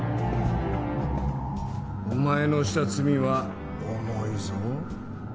お前のした罪は重いぞ。